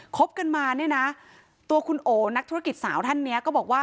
คบกันมาเนี่ยนะตัวคุณโอนักธุรกิจสาวท่านนี้ก็บอกว่า